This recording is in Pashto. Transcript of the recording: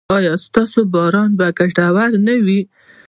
ایا ستاسو باران به ګټور نه وي؟